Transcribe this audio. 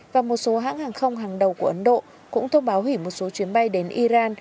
và một số hãng hàng không hàng đầu của ấn độ cũng thông báo hủy một số chuyến bay đến iran